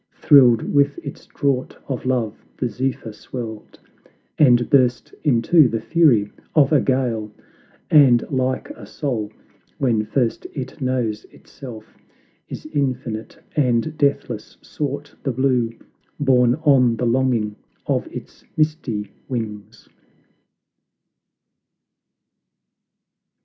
Thrilled with its draught of love, the zephyr swelled And burst into the fury of a gale; And like a soul, when first it knows itself Is infinite and deathless, sought the blue, Borne on the longing of its misty wings.